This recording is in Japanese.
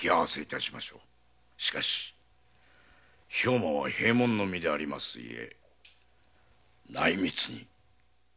しかし兵馬は閉門の身であります故内密に。